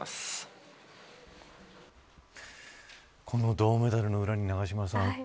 この銅メダルの裏に、永島さん